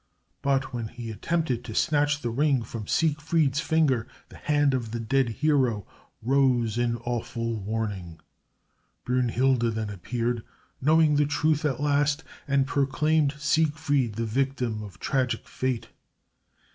But when he attempted to snatch the Ring from Siegfried's finger, the hand of the dead hero rose in awful warning. Brünnhilde then appeared, knowing the truth at last, and proclaimed Siegfried the victim of tragic fate.